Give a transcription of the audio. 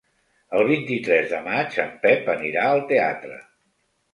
El vint-i-tres de maig en Pep anirà al teatre.